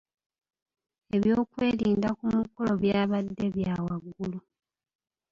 Eby'okwerinda ku mukolo by'abadde bya waggulu.